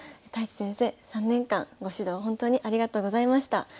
太地先生３年間ご指導ほんとにありがとうございました。